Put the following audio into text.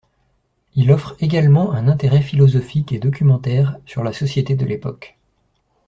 Il offre également un intérêt philosophique et documentaire sur la société de l’époque.